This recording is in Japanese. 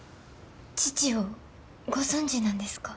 父をご存じなんですか？